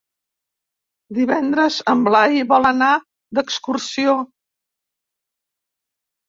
Divendres en Blai vol anar d'excursió.